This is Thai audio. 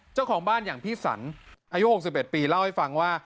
เจ้าของบ้านอย่างพี่สันอายุ๖๑ปีเล่าให้ฟังว่า